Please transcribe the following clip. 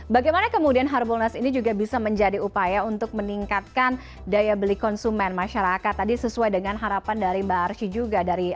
bagaimana kemudian harbolnas ini juga bisa menjadi upaya untuk meningkatkan daya beli konsumen masyarakat tadi sesuai dengan harapan dari mbak arsy juga